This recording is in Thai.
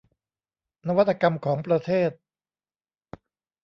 นวัตกรรมของประเทศ